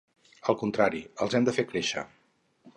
Al contrari, els hem de fer créixer.